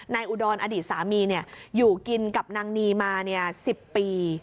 อุดรอดีตสามีอยู่กินกับนางนีมา๑๐ปี